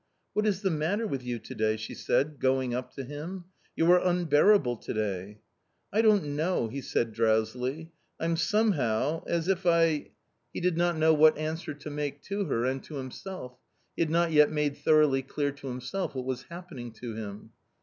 " What is the matter with you?" she said, going up to him ; "you are unbearable to day." " I don't know," he said drowsily ;" I'm somehow — as if I " 186 A COMMON STORY He did not know what answer to make to her and to himself. He had not yet made thoroughly clear to him self what was happening to him.